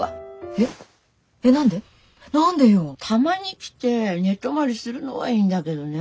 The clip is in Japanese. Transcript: えっ何で何でよ。たまに来て寝泊まりするのはいいんだけどねぇ。